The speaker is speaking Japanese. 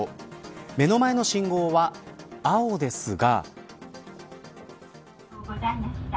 目の前の信号は青ですが。